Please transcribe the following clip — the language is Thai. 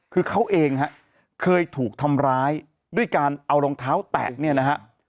คือเขาเองฮะเคยถูกทำร้ายด้วยการเอารองเท้าแตะเนี่ยนะฮะ